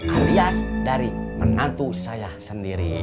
alias dari menantu saya sendiri